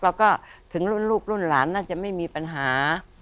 เราก็ถึงลูกหลานน่าจะไม่มีปัญหา